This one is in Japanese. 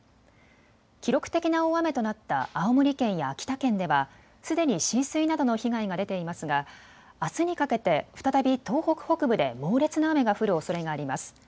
記録的な大雨となった青森県や秋田県ではすでに浸水などの被害が出ていますがあすにかけて再び東北北部で猛烈な雨が降るおそれがあります。